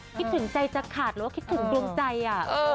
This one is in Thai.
คิดถึงใจจะขาดหรือว่าคิดถึงดวงใจ